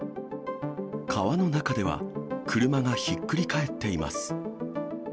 川の中では、車がひっくり返っています。